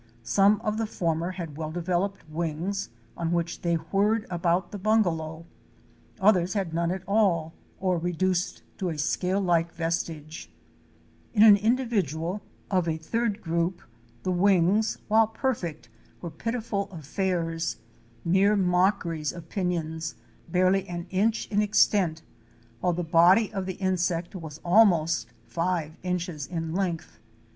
Some of the former had well developed wings on which they whirred about the bungalow; others had none at all or reduced to a scale like vestige. In an individual of a third * Zoologica, Vol. I, No. 4. 290 OUR SEARCH FOR A WILDERNESS. group the wings, while perfect, were pitiful affairs, mere mockeries of pinions, barely an inch in extent, while the body of the insect was almost five inches in length.